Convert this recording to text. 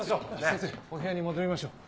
先生お部屋に戻りましょう。